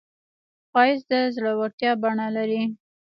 ښایست د زړورتیا بڼه لري